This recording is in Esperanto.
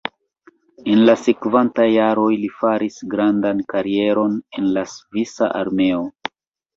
En la sekvantaj jaroj li faris grandan karieron en la Svisa Armeo.